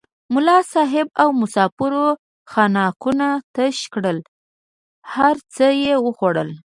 ملا صاحب او مسافرو خانکونه تش کړل هر څه یې وخوړل.